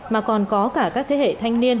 mà còn có cả các thế hệ thanh niên